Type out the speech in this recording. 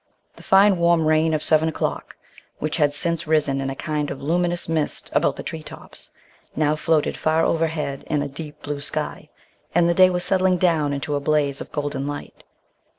The fine warm rain of seven o'clock, which had since risen in a kind of luminous mist about the tree tops, now floated far overhead in a deep blue sky, and the day was settling down into a blaze of golden light.